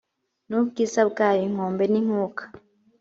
n ubwiza bwayo inkombe n inkuka